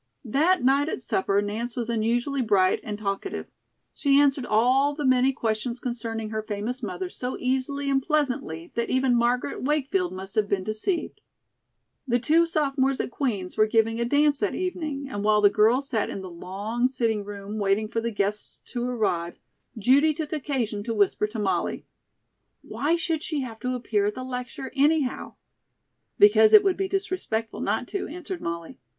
That night at supper Nance was unusually bright and talkative. She answered all the many questions concerning her famous mother so easily and pleasantly that even Margaret Wakefield must have been deceived. The two sophomores at Queen's were giving a dance that evening, and while the girls sat in the long sitting room waiting for the guests to arrive, Judy took occasion to whisper to Molly: "Why should she have to appear at the lecture, anyhow?" "Because it would be disrespectful not to," answered Molly.